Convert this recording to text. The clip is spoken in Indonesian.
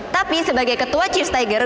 tapi sebagai ketua cheese tiger